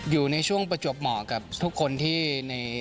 อยู่ในช่วงประจวบเหมาะกับทุกคนที่ใน